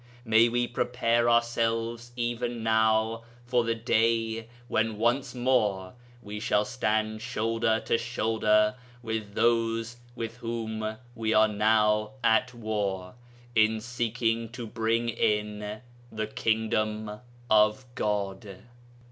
May we prepare ourselves even now for the day when once more we shall stand shoulder to shoulder with those with whom we are now at war, in seeking to bring in the Kingdom of God.